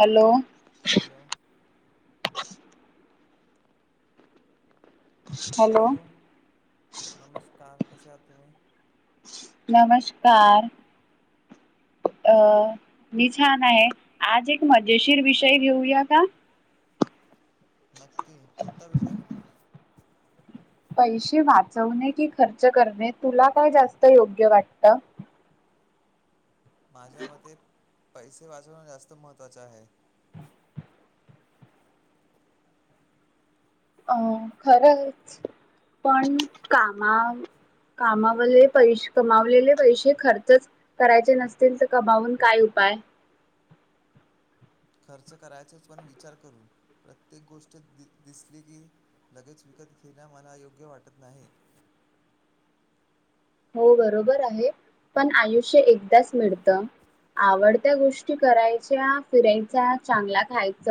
Hello hello hello नमस्कार कसे आहात तुम्ही नमस्कार. अ मी छान आहे आज एक मजेशीर विषय घेऊया का नक्की कोणता विषय पैसे वाचवणे की खर्च करणे तुला काय जास्त योग्य वाटतं. माझ्या मते पैसे वाचवण जास्त महत्त्वाच आहे अं खरंच पण कामा कामावले पै कमावलेले पैसे खर्चच करायचे नसतील तर कमावून काय उप बाय खर्च करायचाच पण विचार करून प्रत्येक गोष्ट दिसली की लगेच त खेळण्या मला योग्य वाटत नाही ह हो बरोबर आहे पण आयुष्य एकदाच मिळतं आवडत्या गोष्टी करायच्या, फिरायच्या चांगला खायच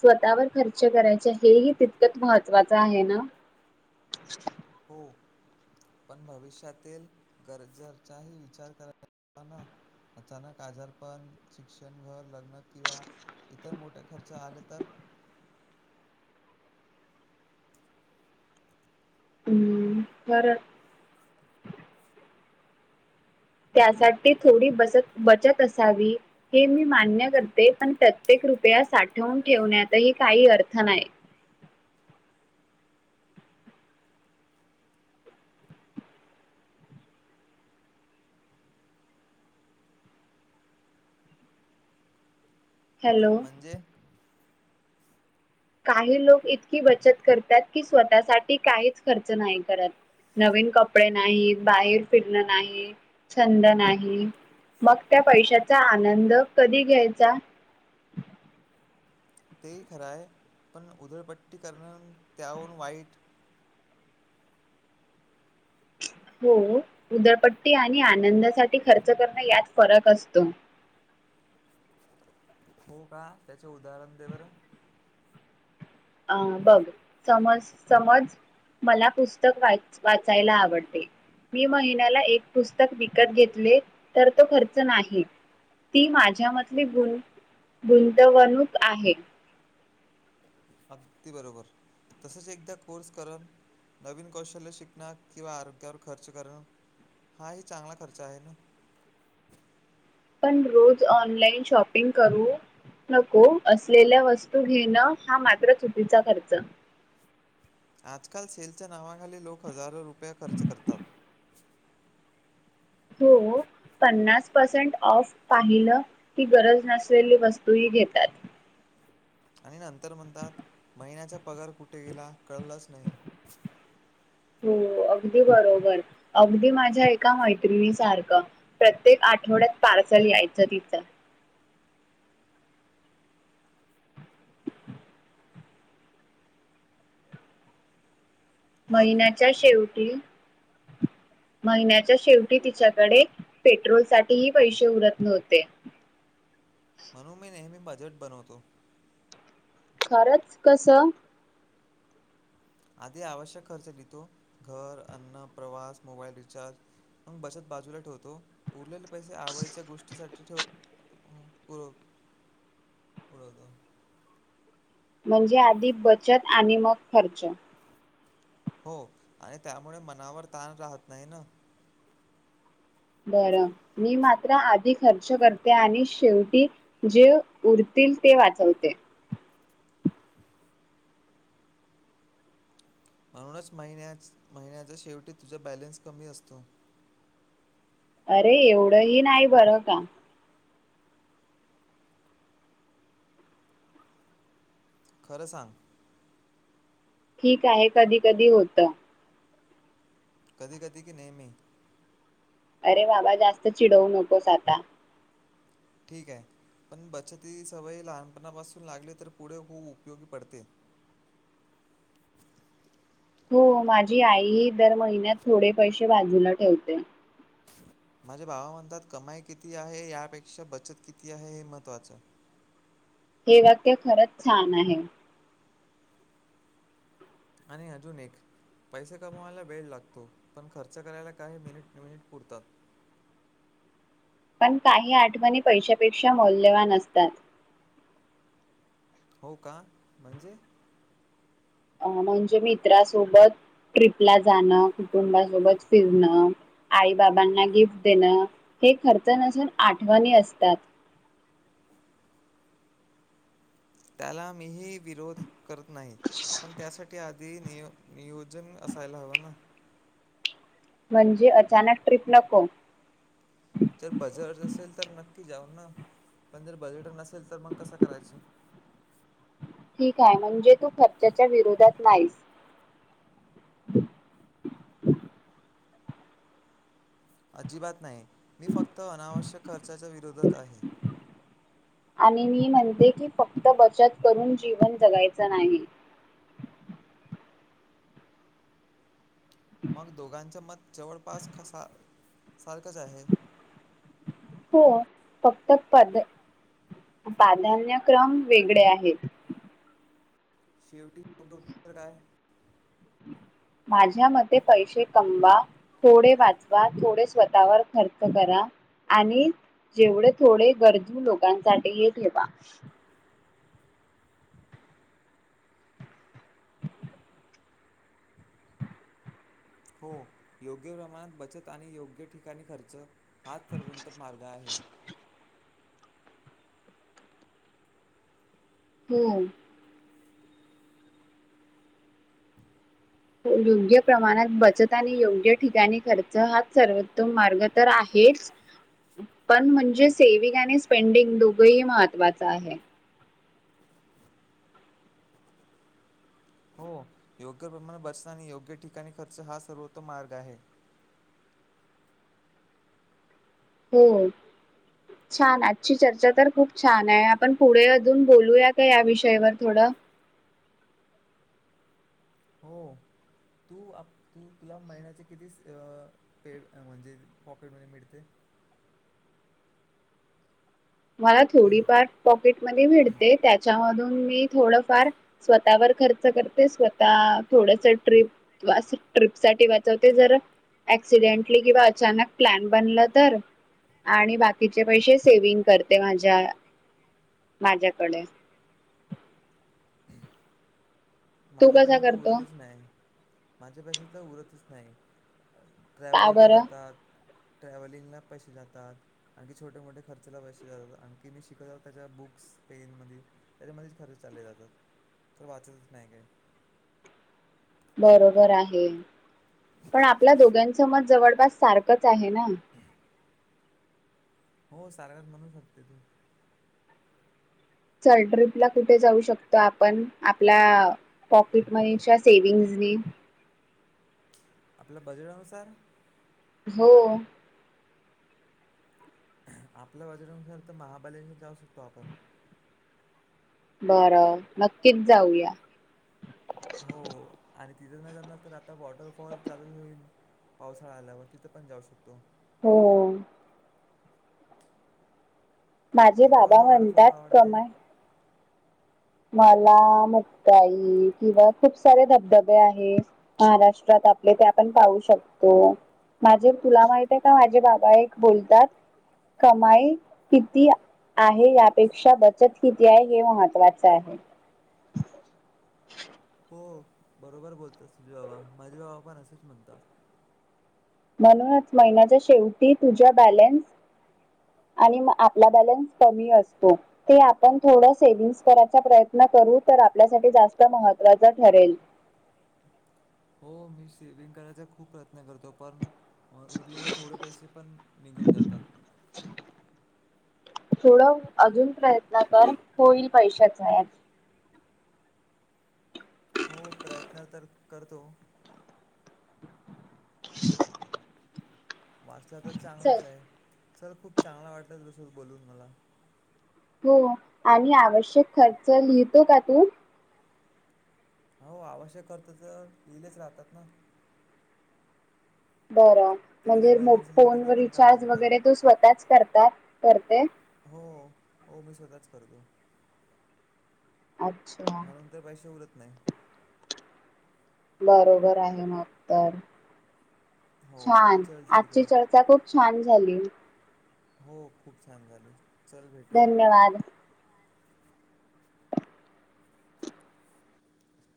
स्वतःवर खर्च करायचा हे ह तितकच महत्वाचं आहे ना - [inaudible] हो पण भविष्यातील गरजेचाही विचार कराला न - अचानक आजारपण शिक्षण घर लग्न किंवा- इतर मोठे, खर्च आले तर [inaudible] हम्म्म बरं त्यासाठी थोडी बसत बचत, असावी हे मी मान्य करते. पण प्रत्येक कृपया साठवून, ठेवण्यातही काही अर्थ नाही. हॅलो म्हणजे काही लोक इतकी बचत करतात, की स्वतःसाठी काहीच खर्च नाही करत. नवीन कपडे नाहीत बाहेर फिरण नाही छंद नाही. मग त्या पैशाचा, आनंद कधी घ्यायचा. तेही खरं आहे पण उधळपट्टी करण त्यावरून वाईट - ह हो उदळपट्टी आणि आनंदासाठी खर्च करणं यात फरक असतो. [unintelligible] हो का? त्याचे उदाहरण दे बर - अं बघ समज- समज मला पुस्तक वा वाचायला आवडते. मी महिन्याला एक पुस्तक विकत घेतले तर तो खर्च नाही. ती माझ्यामधली गुण गुंतवणूक आहे. अगदी बरोबर तसच एकदा कोर्स करण. नवीन कौशल्य शिकणं किंवा आरोग्यावर खर्च करणं. हा ह चांगला खर्च आहे ना. पण रोज ऑनलाइन शॉपिंग करू. नको असलेल्या वस्तू घेणं हा मात्र चुकीचा खर्च आजकाल सेलच्या नावाखाली लोक हजारो रुपये खर्च करतात. हो पन्नास पर्सेंट ऑफ पाहिलं ही गरज नसलेली वस्तूही घेतात. [inaudible] आणि नंतर म्हणतात महिन्याचा पगार कुठे गेला कळलच नाही. हो. अगदी बरोबर अगदी माझ्या एका मैत्रिणी सारखं प्रत्येक आ - - ठवड्यात पार्सल यायचं तिचं. मग महिन्याच्या शेवटी - - महिन्याच्या शेवटी तिच्याकडे पेट्रोलसाठीही पैसे उरत नव्हते. [inaudible] बजट बनवतो. खरंच कस? आधी आवश्यक खर्च लिहतो. घर, अन्न, प्रवास, मोबाईल रिचार्ज - - मग बचत बाजूला ठेवतो. उरलेले पैसे आवडीच्या गोष्टीसाठी ठेवतो. [unintelligible] [inaudible] म्हणजे आधी बचत आणि मग खर्च. हो आणि त्यामुळे मनावर ताण राहत नाही ना. बर मी मात्र आधी खर्च करते आणि शेवटी जे उर - - [unintelligible] वाचवते. म्हणूनच महिन्याच महिन्याच्या शेवटी तुझा बॅलेन्स कमी असतो. अरे एवढं ही नाही बरं का. खरं सांग. ठीक आहे. कधी कधी होत. कधी कधी की नेहमी? अरे बाबा जास्त चिडवू नकोस आता. ठीकाय. पण बचती ही सवय लहानपणापासून लागली तर पुढे खूप उपयोगी पडते. [inaudible] हो. माझी आईही दर महिन्यात थोडे पैसे बाजूला ठेवते. माझे भाव म्हणतात कमाई किती आहे यापेक्षा बचत किती आहे हे महत्त्वाचं. हे वाक्य खरंच छान आहे. आणि अजून एक - - पैसे कमवायला वेळ लागतो. पण खर्च करायला काही मिनिट मिनिट पुरतात. पण काही आठवणी पैशापेक्षा मौल्यवान असतात. हो का म्हणजे? अ म्हणजे मित्रासोबत ट्रिपला जाणं. कुटुंबासोबत फिरणं. आई बाबांना गिफ्ट देणं हे खर्च नसून आठवणी असतात. [inaudible] त्याला मीही विरोध करत नाही पण त्यासाठी नियो -नियोजन असायला हवं ना. म्हणजे अचानक ट्रीप नको. जर बजट असेल तर नक्की जाऊ ना. पण जर बजेट नसेल तर मग कसं करायचं? ठीकाय म्हणजे तू खर्चाच्या विरोधात नाहीस. [inaudible] अजिबात नाही. मी फक्त अनावश्यक खर्चाच्या विरोधात आहे. आणि मी म्हणते की फक्त बचत करून जीवन जगायचं नाही. [inaudible] मग दोघांचे मत जवळपास [unintelligible] सारखच आहे. हो फक्त पद प्राधान्यक्रम वेगळे आहेत. शेवटी [unintelligible] काय? [unintelligible] माझ्या मते पैशे कमवा, थोडे वाचवा, थोडे स्वतःवर खर्च करा आणि जेवढे थोडे गरजू लोकांसाठी ठेवा. हो योग्य प्रमाणात बचत आणि योग्य ठिकाणी खर्च हाच सर्वोत्तम मार्ग आहे. हो. योग्य प्रमाणात बचत आणि योग्य ठिकाणी खर्च हाच सर्वोत्तम मार्ग तर आहे. हेच पन म्हणजे सेव्हिंग आणि स्पेंडिंग दोघंही महत्त्वाच आहे. हो योग्य प्रमाणात बचत आणि योग्य ठिकाणी खर्च हा सर्वोत्तम मार्ग आहे. हो. छान आजची चर्चा तर खूप छान आहे आपण पुढे अजून बोलूया का या विषयवर थोडं [unintelligible] हो तू तुला महिन्याचे किती पे म्हणजे पॉकेट मनी मिळते [unintelligible] मला थोडीफार पॉकेट मनी भेटते त्याच्या मधून मी थोडफार स्वतःवर खर्च करते स्वतः थोडसं ट्रिप अस ट्रीप साठी वाचवते जरा अऍक्सिडेंटली किंवा अचानक प्लॅन बनलं तर आणि बाकीचे पैसे सेव्हिंग करते माझ्या माझ्याकडे. तू कसा माझ्यापाशी तर करतो उरतच नाही माझ्या पाशी तर उरतच नाही का ट्रॅव्हलीने बरं जातात ट्रॅव्हलिंगला पैसे जातात आणखी छोटे मोठे खर्चाला पैसे जातात आणखी मी शिकत आहे त्याच्या बुक्स पेन मधी त्याच्यामध्येच खर्च चालले जातात तर वाचतच नाही काय बरोबर आहे. पण आपल्या दोघांचं मत जवळपास सारखंच आहे ना? हो सारगाज म्हणू शकते तू. चल ट्रिपला कुठे जाऊ शकतो आपण आपल्या पॉकेट मनीच्या सेव्हिंग्ज नी. आपल्या बजेटानुसार हो. आपल्या बजेटनुसार तर महाबलेश्वरला जाऊ शकतो आपण. बरं नक्कीच जाऊया. हो आणि तिथं नाही जमला तर आता वॉटरफॉल चालूच होईल पावसाळा आल्यावर तिथं पण जाऊ शकतो हो. माझे तुला बाबा कोणतं वॉटरफॉल म्हणतात आवडते कमाई मला मुक्ताई किंवा खूप सारे धबधबे आहे महाराष्ट्रात आपले ते आपण पाहू शकतो. माझे तुला माहित आहे का माझे बाबा एक बोलतात कमाई किती आहे यापेक्षा बचत किती आहे हे महत्वा च आहे. हो बरोबर बोलतात तुझे बाबा माझे बाबा पण असेच म्हणतात. म्हणूनच महिन्याच्या शेवटी तुझ्या बॅलेन्स आणि मग आपला बॅलेन्स कमी असतो ते आपण थोड सेवंग कराचा प्रयत्न करू तर आपल्यासाठी जास्त महत्वाच ठरेल. हो मी शेविंग करायचा खूप प्रयत्न करतो पण उरलेले थोडे पैसे पण निघून जातात. थोडं अजून प्रयत्न कर होईल पैशाचा याज हो प्रयत्न तर करतो [unintelligible] वाचला तर चल चांगलाच आहे चल खूप चांगला वाटलाच बस बोलून मला. हो, आणि आवश्यक खर्च लिहितो का तू? हो आवश्यक करत तर लिहिलेच राहतात ना. बरं ते तर म्हणजे मो एमर्जन्सीमध्ये कधी फोनवर पण कामात रिचार्ज येतात वगैरे तो स्वतःच करतात करते? हो हो, मी स्वतःच करतोय. अच्छा. उरत नाही. बरोबर आहे मग तर. हो छान, चल ठीक आजची आहे चर्चा खूप छान झाली. हो खूप छान झाले. चल भेटूया धन्यवाद!.